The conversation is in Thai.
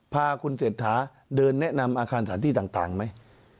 พาคุณเศรษฐาเดินแนะนำอาคารสถานที่ต่างไหม